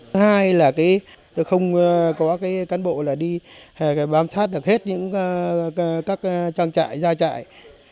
thứ hai là không có cán bộ là đi bám sát được hết những các trang trại gia trại